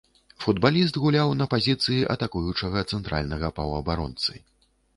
Футбаліст гуляў на пазіцыі атакуючага цэнтральнага паўабаронцы.